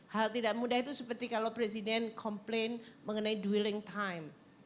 hal tidak mudah itu seperti kalau presiden komplain mengenai dwelling time